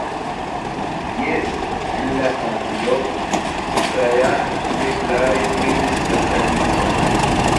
Jes, en la sonĝo, Trajan tre klare vidis la salikon.